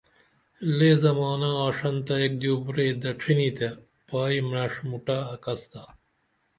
لے زمانہ آڜنتہ اِک دیو برئی دڇھینی تے پائی مرڇھ مُٹہ اکسیتھا